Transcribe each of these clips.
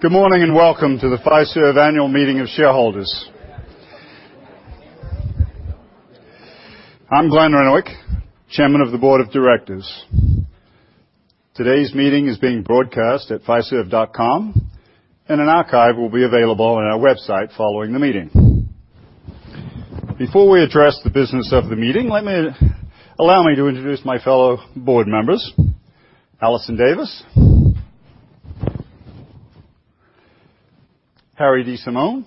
Good morning, welcome to the Fiserv Annual Meeting of Shareholders. I'm Glenn Renwick, Chairman of the Board of Directors. Today's meeting is being broadcast at fiserv.com, an archive will be available on our website following the meeting. Before we address the business of the meeting, allow me to introduce my fellow board members, Alison Davis, Harry DiSimone,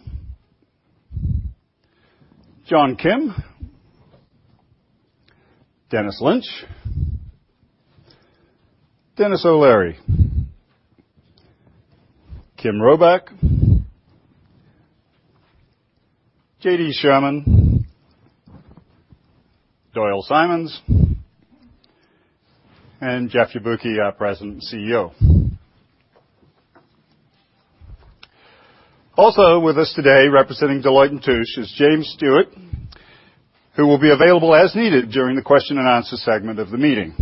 John Kim, Dennis Lynch, Denis O'Leary, Kim Robak, J.D. Sherman, Doyle Simons, and Jeff Yabuki, our President and CEO. Also with us today representing Deloitte & Touche is James Stewart, who will be available as needed during the question and answer segment of the meeting.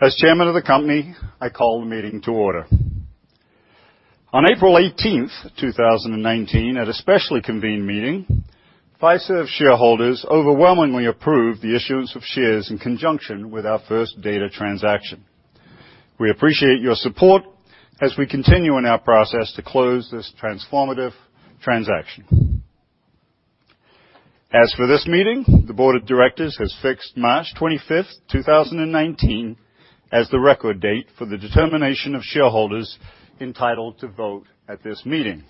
As chairman of the company, I call the meeting to order. On April 18th, 2019, at a specially convened meeting, Fiserv shareholders overwhelmingly approved the issuance of shares in conjunction with our First Data transaction. We appreciate your support as we continue in our process to close this transformative transaction. As for this meeting, the Board of Directors has fixed March 25th, 2019, as the record date for the determination of shareholders entitled to vote at this meeting.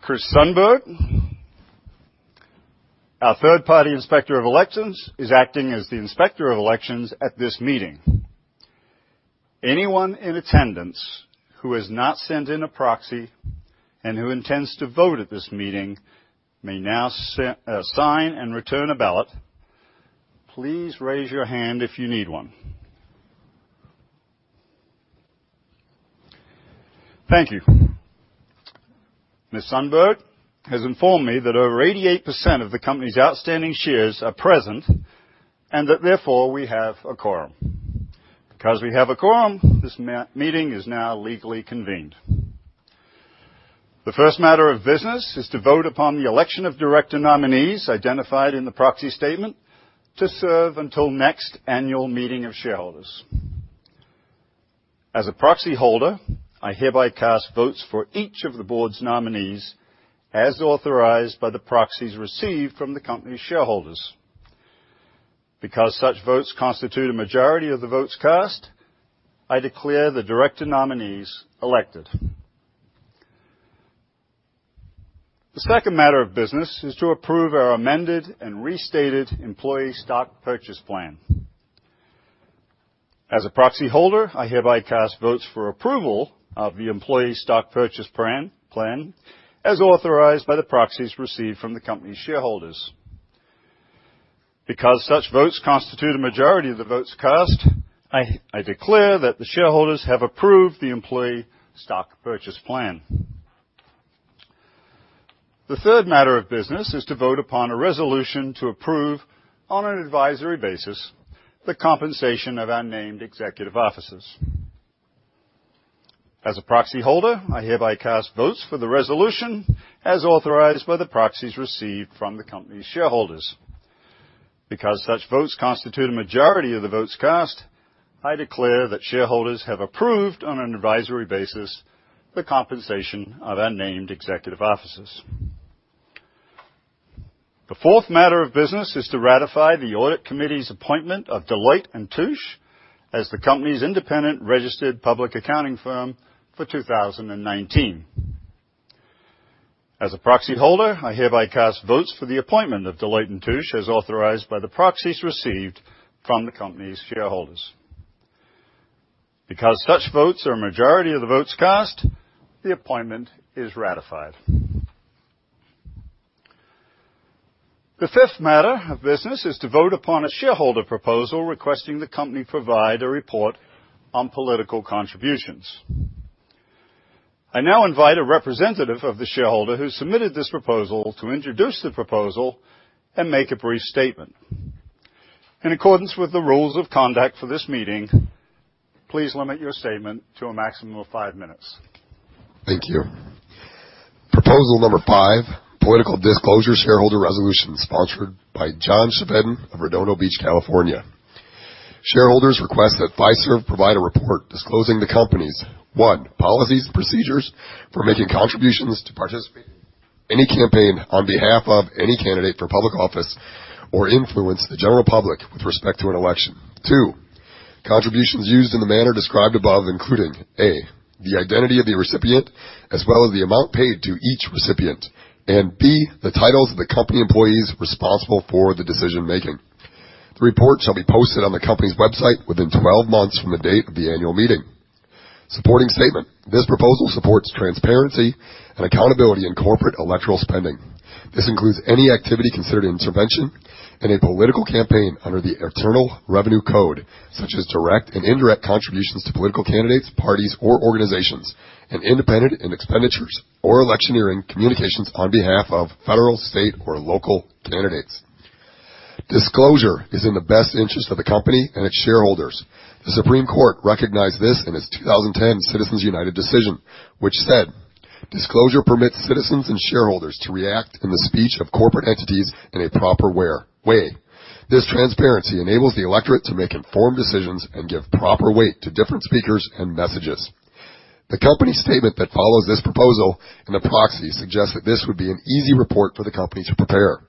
Chris Sundberg, our third-party Inspector of Elections, is acting as the Inspector of Elections at this meeting. Anyone in attendance who has not sent in a proxy and who intends to vote at this meeting may now sign and return a ballot. Please raise your hand if you need one. Thank you. Ms. Sundberg has informed me that over 88% of the company's outstanding shares are present, therefore, we have a quorum. We have a quorum, this meeting is now legally convened. The first matter of business is to vote upon the election of director nominees identified in the proxy statement to serve until next annual meeting of shareholders. As a proxy holder, I hereby cast votes for each of the board's nominees, as authorized by the proxies received from the company's shareholders. Such votes constitute a majority of the votes cast, I declare the director nominees elected. The second matter of business is to approve our amended and restated employee stock purchase plan. As a proxy holder, I hereby cast votes for approval of the employee stock purchase plan, as authorized by the proxies received from the company's shareholders. Such votes constitute a majority of the votes cast, I declare that the shareholders have approved the employee stock purchase plan. The third matter of business is to vote upon a resolution to approve, on an advisory basis, the compensation of our named executive officers. As a proxy holder, I hereby cast votes for the resolution as authorized by the proxies received from the company's shareholders. Such votes constitute a majority of the votes cast, I declare that shareholders have approved, on an advisory basis, the compensation of our named executive officers. The fourth matter of business is to ratify the audit committee's appointment of Deloitte & Touche as the company's independent registered public accounting firm for 2019. As a proxy holder, I hereby cast votes for the appointment of Deloitte & Touche, as authorized by the proxies received from the company's shareholders. Such votes are a majority of the votes cast, the appointment is ratified. The fifth matter of business is to vote upon a shareholder proposal requesting the company provide a report on political contributions. I now invite a representative of the shareholder who submitted this proposal to introduce the proposal and make a brief statement. In accordance with the rules of conduct for this meeting, please limit your statement to a maximum of five minutes. Thank you. Proposal number five, political disclosure shareholder resolution sponsored by John Speddin of Redondo Beach, California. Shareholders request that Fiserv provide a report disclosing the company's, one, policies and procedures for making contributions to participate in any campaign on behalf of any candidate for public office or influence the general public with respect to an election. Two, contributions used in the manner described above, including, A, the identity of the recipient as well as the amount paid to each recipient, and B, the titles of the company employees responsible for the decision-making. The report shall be posted on the company's website within 12 months from the date of the annual meeting. Supporting statement. This proposal supports transparency and accountability in corporate electoral spending. This includes any activity considered intervention in a political campaign under the Internal Revenue Code, such as direct and indirect contributions to political candidates, parties, or organizations, and independent expenditures or electioneering communications on behalf of federal, state, or local candidates. Disclosure is in the best interest of the company and its shareholders. The Supreme Court recognized this in its 2010 Citizens United decision, which said, "Disclosure permits citizens and shareholders to react in the speech of corporate entities in a proper way. This transparency enables the electorate to make informed decisions and give proper weight to different speakers and messages." The company statement that follows this proposal in the proxy suggests that this would be an easy report for the company to prepare.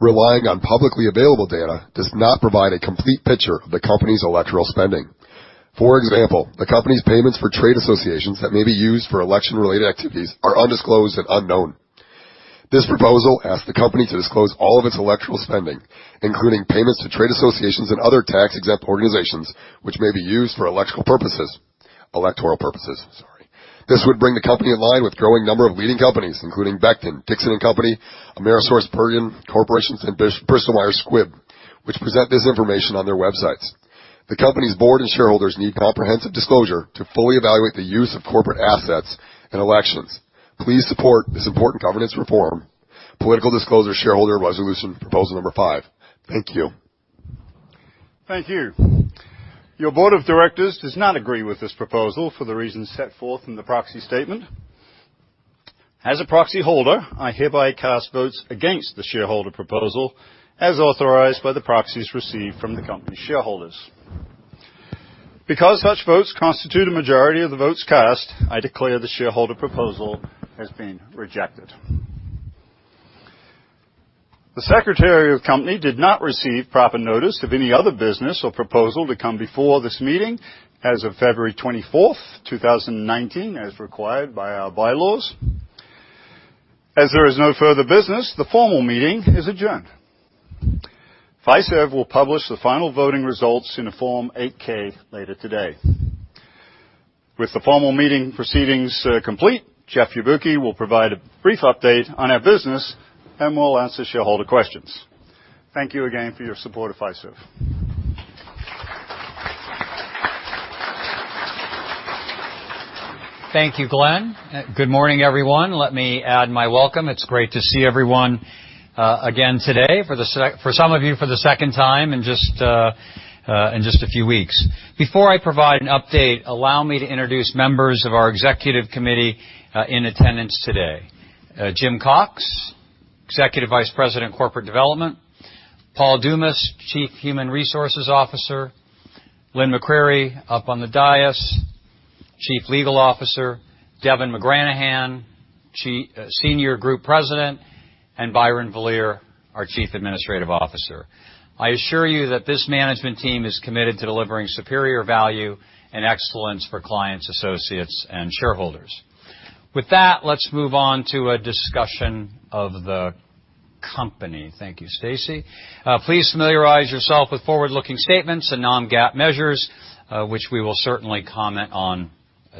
Relying on publicly available data does not provide a complete picture of the company's electoral spending. For example, the company's payments for trade associations that may be used for election-related activities are undisclosed and unknown. This proposal asks the company to disclose all of its electoral spending, including payments to trade associations and other tax-exempt organizations which may be used for electoral purposes. This would bring the company in line with a growing number of leading companies, including Becton, Dickinson and Company, AmerisourceBergen Corporation, and Bristol-Myers Squibb, which present this information on their websites. The company's board and shareholders need comprehensive disclosure to fully evaluate the use of corporate assets in elections. Please support this important governance reform, political disclosure shareholder resolution proposal number five. Thank you. Thank you. Your board of directors does not agree with this proposal for the reasons set forth in the proxy statement. As a proxy holder, I hereby cast votes against the shareholder proposal as authorized by the proxies received from the company's shareholders. Because such votes constitute a majority of the votes cast, I declare the shareholder proposal has been rejected. The Secretary of the company did not receive proper notice of any other business or proposal to come before this meeting as of February 24th, 2019, as required by our bylaws. As there is no further business, the formal meeting is adjourned. Fiserv will publish the final voting results in a Form 8-K later today. With the formal meeting proceedings complete, Jeff Yabuki will provide a brief update on our business, and we'll answer shareholder questions. Thank you again for your support of Fiserv. Thank you, Glenn. Good morning, everyone. Let me add my welcome. It's great to see everyone again today, for some of you, for the second time in just a few weeks. Before I provide an update, allow me to introduce members of our Executive Committee in attendance today. Jim Cox, Executive Vice President, Corporate Development. Paul Dumas, Chief Human Resources Officer. Lynn S. McCreary, up on the dais, Chief Legal Officer. Devin McGranahan, Senior Group President, and Byron Vielehr, our Chief Administrative Officer. I assure you that this management team is committed to delivering superior value and excellence for clients, associates, and shareholders. With that, let's move on to a discussion of the company. Thank you, Stacy. Please familiarize yourself with forward-looking statements and non-GAAP measures, which we will certainly comment on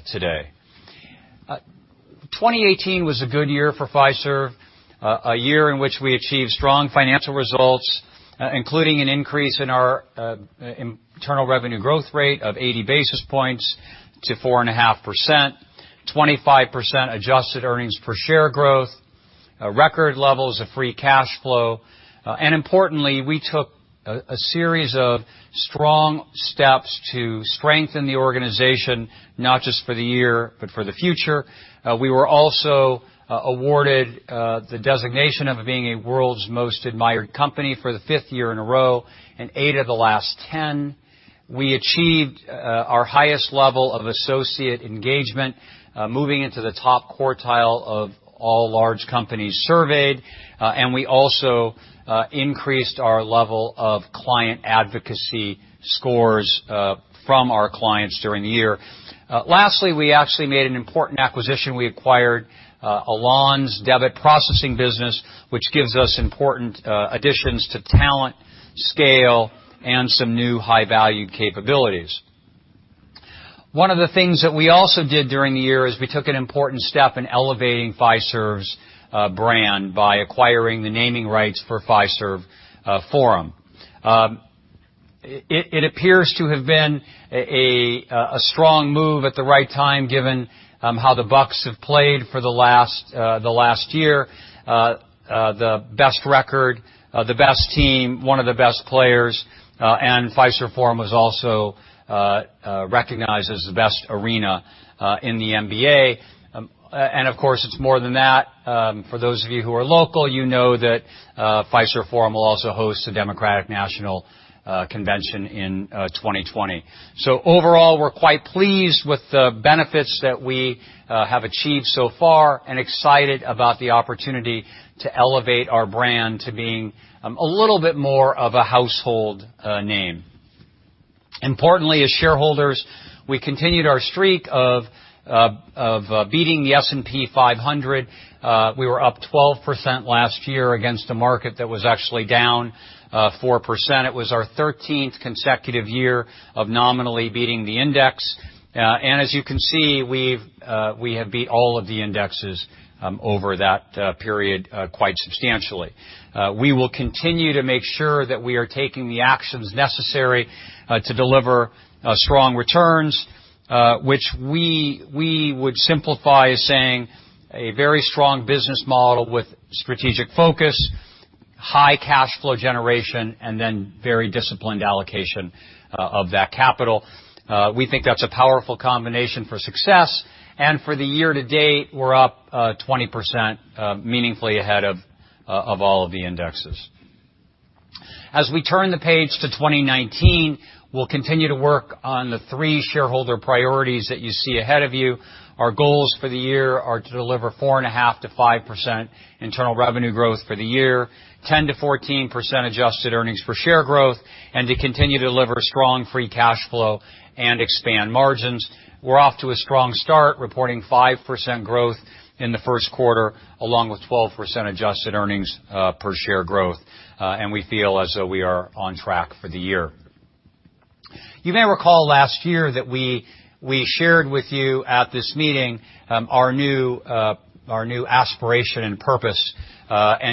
today. 2018 was a good year for Fiserv, a year in which we achieved strong financial results, including an increase in our internal revenue growth rate of 80 basis points to 4.5%, 25% adjusted earnings per share growth, record levels of free cash flow. Importantly, we took a series of strong steps to strengthen the organization, not just for the year but for the future. We were also awarded the designation of being a World's Most Admired company for the fifth year in a row and eight of the last 10. We achieved our highest level of associate engagement, moving into the top quartile of all large companies surveyed. We also increased our level of client advocacy scores from our clients during the year. Lastly, we actually made an important acquisition. We acquired Elan's debit processing business, which gives us important additions to talent, scale, and some new high-value capabilities. One of the things that we also did during the year is we took an important step in elevating Fiserv's brand by acquiring the naming rights for Fiserv Forum. It appears to have been a strong move at the right time, given how the Bucks have played for the last year. The best record, the best team, one of the best players. Fiserv Forum was also recognized as the best arena in the NBA. Of course, it's more than that. For those of you who are local, you know that Fiserv Forum will also host the Democratic National Convention in 2020. Overall, we're quite pleased with the benefits that we have achieved so far and excited about the opportunity to elevate our brand to being a little bit more of a household name. Importantly, as shareholders, we continued our streak of beating the S&P 500. We were up 12% last year against a market that was actually down 4%. It was our 13th consecutive year of nominally beating the index. As you can see, we have beat all of the indexes over that period quite substantially. We will continue to make sure that we are taking the actions necessary to deliver strong returns, which we would simplify as saying a very strong business model with strategic focus, high cash flow generation, and then very disciplined allocation of that capital. We think that's a powerful combination for success, for the year to date, we're up 20%, meaningfully ahead of all of the indexes. As we turn the page to 2019, we'll continue to work on the three shareholder priorities that you see ahead of you. Our goals for the year are to deliver 4.5%-5% internal revenue growth for the year, 10%-14% adjusted earnings per share growth, and to continue to deliver strong free cash flow and expand margins. We're off to a strong start, reporting 5% growth in the first quarter, along with 12% adjusted earnings per share growth. We feel as though we are on track for the year. You may recall last year that we shared with you at this meeting our new aspiration and purpose.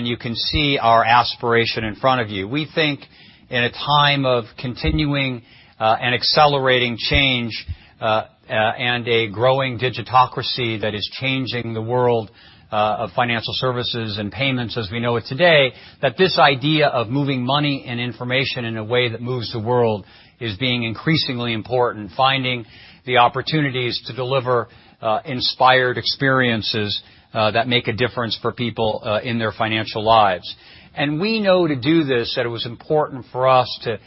You can see our aspiration in front of you. We think in a time of continuing and accelerating change, a growing digitocracy that is changing the world of financial services and payments as we know it today, that this idea of moving money and information in a way that moves the world is being increasingly important. Finding the opportunities to deliver inspired experiences that make a difference for people in their financial lives. We know to do this, that it was important for us to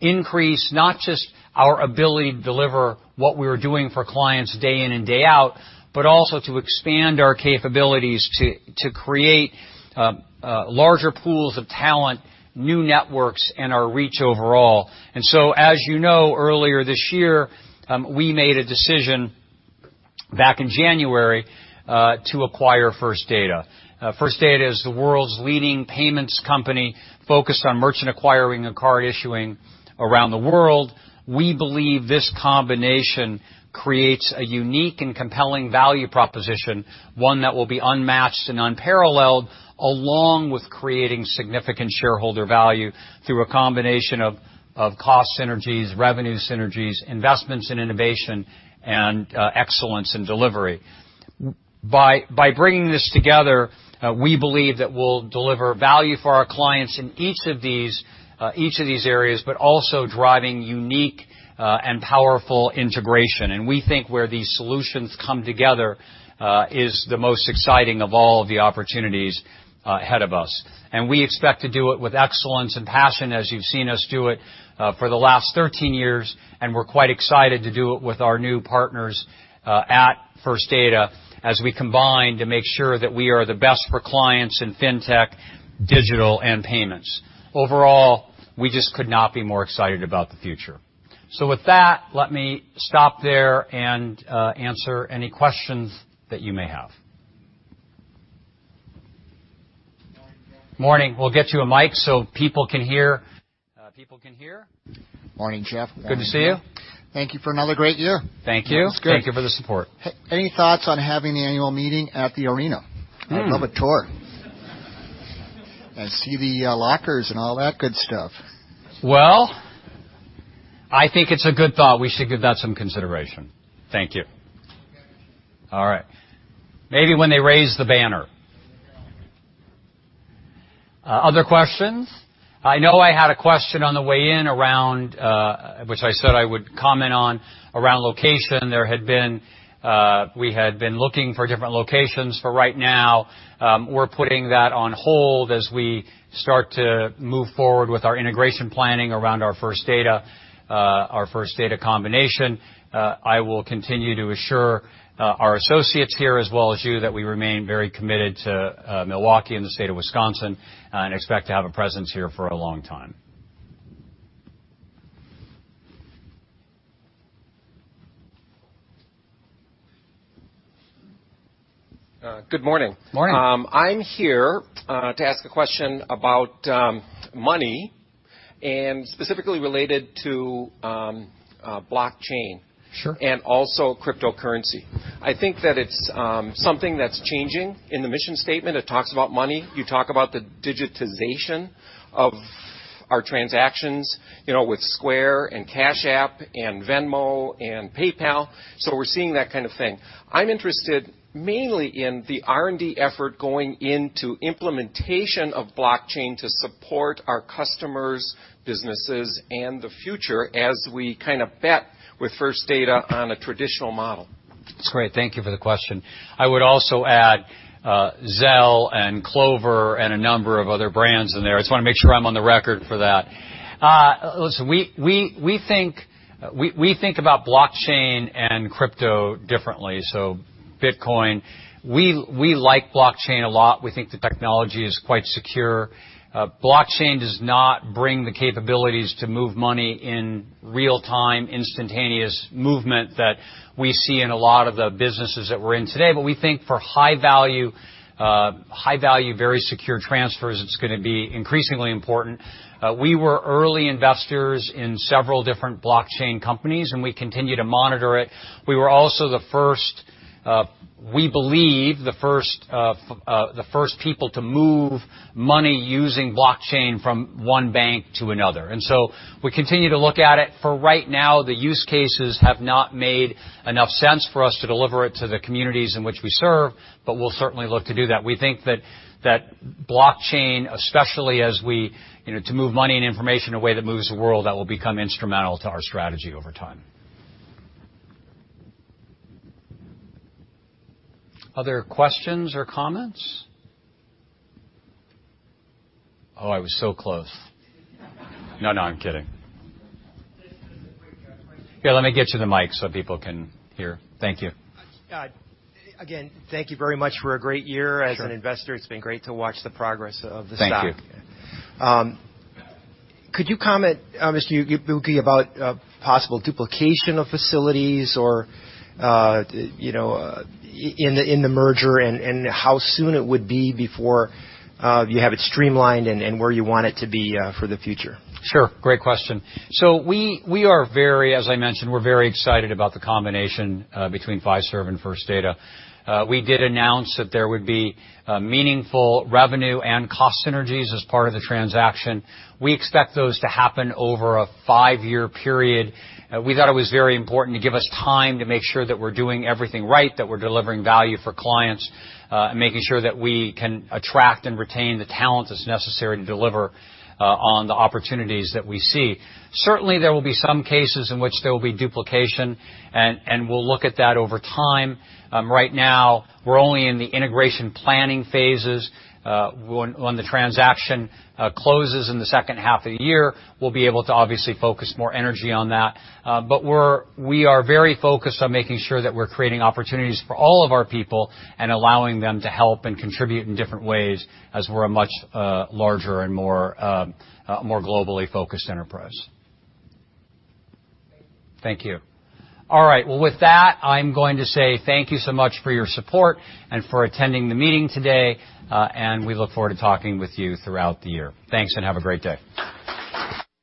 increase not just our ability to deliver what we were doing for clients day in and day out, but also to expand our capabilities to create larger pools of talent, new networks, and our reach overall. As you know, earlier this year, we made a decision back in January, to acquire First Data. First Data is the world's leading payments company focused on merchant acquiring and card issuing around the world. We believe this combination creates a unique and compelling value proposition, one that will be unmatched and unparalleled, along with creating significant shareholder value through a combination of cost synergies, revenue synergies, investments in innovation, and excellence in delivery. By bringing this together, we believe that we'll deliver value for our clients in each of these areas, but also driving unique and powerful integration. We think where these solutions come together is the most exciting of all of the opportunities ahead of us. We expect to do it with excellence and passion, as you've seen us do it for the last 13 years. We're quite excited to do it with our new partners at First Data as we combine to make sure that we are the best for clients in fintech, digital, and payments. Overall, we just could not be more excited about the future. With that, let me stop there and answer any questions that you may have. Morning. We'll get you a mic so people can hear. Morning, Jeff. Good to see you. Thank you for another great year. Thank you. It's great. Thank you for the support. Any thoughts on having the annual meeting at the arena? I'd love a tour. See the lockers and all that good stuff. Well, I think it's a good thought. We should give that some consideration. Thank you. All right. Maybe when they raise the banner. Other questions? I know I had a question on the way in, which I said I would comment on, around location. We had been looking for different locations. For right now, we're putting that on hold as we start to move forward with our integration planning around our First Data combination. I will continue to assure our associates here, as well as you, that we remain very committed to Milwaukee and the state of Wisconsin, and expect to have a presence here for a long time. Good morning. Morning. I'm here to ask a question about money, and specifically related to blockchain. Sure. Also cryptocurrency. I think that it's something that's changing in the mission statement. It talks about money. You talk about the digitization of our transactions, with Square and Cash App and Venmo and PayPal. We're seeing that kind of thing. I'm interested mainly in the R&D effort going into implementation of blockchain to support our customers' businesses and the future as we kind of bet with First Data on a traditional model. That's great. Thank you for the question. I would also add Zelle and Clover and a number of other brands in there. I just want to make sure I'm on the record for that. Listen, we think about blockchain and crypto differently. Bitcoin, we like blockchain a lot. We think the technology is quite secure. Blockchain does not bring the capabilities to move money in real-time, instantaneous movement that we see in a lot of the businesses that we're in today. We think for high-value, very secure transfers, it's going to be increasingly important. We were early investors in several different blockchain companies, and we continue to monitor it. We were also, we believe, the first people to move money using blockchain from one bank to another. We continue to look at it. For right now, the use cases have not made enough sense for us to deliver it to the communities in which we serve, but we'll certainly look to do that. We think that blockchain, especially to move money and information in a way that moves the world, that will become instrumental to our strategy over time. Other questions or comments? I was so close. No, I'm kidding. This is a great job by- Here, let me get you the mic so people can hear. Thank you. Again, thank you very much for a great year. Sure. As an investor, it's been great to watch the progress of the stock. Thank you. Could you comment, Mr. Yabuki, about possible duplication of facilities in the merger, and how soon it would be before you have it streamlined and where you want it to be for the future? Sure. Great question. As I mentioned, we're very excited about the combination between Fiserv and First Data. We did announce that there would be meaningful revenue and cost synergies as part of the transaction. We expect those to happen over a five-year period. We thought it was very important to give us time to make sure that we're doing everything right, that we're delivering value for clients, and making sure that we can attract and retain the talent that's necessary to deliver on the opportunities that we see. Certainly, there will be some cases in which there will be duplication, and we'll look at that over time. Right now, we're only in the integration planning phases. When the transaction closes in the second half of the year, we'll be able to obviously focus more energy on that. We are very focused on making sure that we're creating opportunities for all of our people and allowing them to help and contribute in different ways as we're a much larger and more globally focused enterprise. Thank you. Thank you. All right. Well, with that, I'm going to say thank you so much for your support and for attending the meeting today, and we look forward to talking with you throughout the year. Thanks and have a great day.